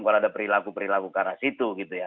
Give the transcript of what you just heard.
kalau ada perilaku perilaku ke arah situ gitu ya